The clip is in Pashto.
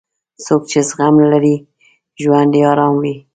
څوک چې زغم لري، ژوند یې ارام وي.